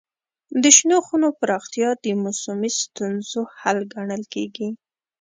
د شنو خونو پراختیا د موسمي ستونزو حل ګڼل کېږي.